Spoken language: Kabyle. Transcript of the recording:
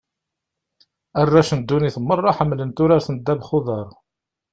Arrac n ddunit merra, ḥemmlen turart n ddabax n uḍar.